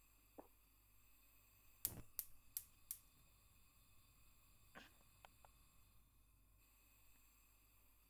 wadudu hupenda shamba chufu hivyo huzaliana kwa wingi